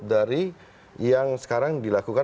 dari yang sekarang dilakukan